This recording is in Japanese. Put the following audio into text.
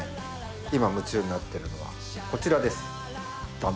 今夢中になってるのはこちらですダン！